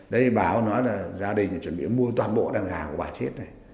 đây báo nói là gia đình chuẩn bị mua toàn bộ đàn gà của bà chết